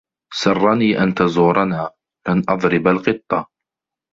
سَرِّنِي أَنْ تَزُورَنَا. لَنْ أَضْرِبَ الْقِطَّ.